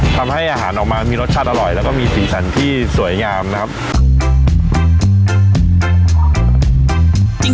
ทำให้อาหารออกมามีรสชาติอร่อยแล้วก็มีสีสันที่สวยงามนะครับ